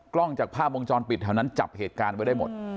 จากภาพวงจรปิดแถวนั้นจับเหตุการณ์ไว้ได้หมด